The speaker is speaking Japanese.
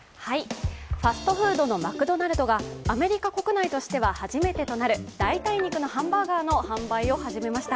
ファストフードのマクドナルドがアメリカ国内としては初めてとなる代替肉のハンバーガーの販売を始めました。